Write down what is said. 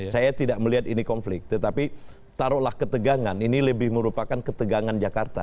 saya tidak melihat ini konflik tetapi taruhlah ketegangan ini lebih merupakan ketegangan jakarta